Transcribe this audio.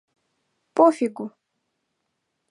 — По фигу!